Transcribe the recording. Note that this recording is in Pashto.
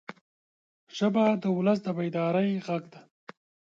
ژبه د ولس د بیدارۍ غږ ده